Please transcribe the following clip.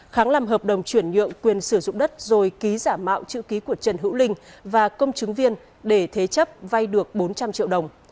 kháng làm hợp đồng chuyển nhượng quyền sử dụng đất rồi ký giả mạo chữ ký của trần hữu linh và công chứng viên để thế chấp vay được bốn trăm linh triệu đồng